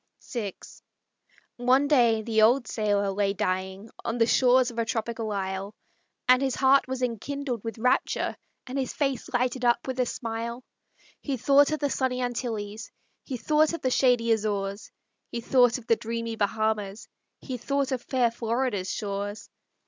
VI One day the old sailor lay dying On the shores of a tropical isle, And his heart was enkindled with rapture, And his face lighted up with a smile. He thought of the sunny Antilles, He thought of the shady Azores, He thought of the dreamy Bahamas, He thought of fair Florida's shores.